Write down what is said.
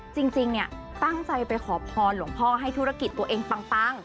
จริงเนี่ยตั้งใจไปขอพรหลวงพ่อให้ธุรกิจตัวเองปัง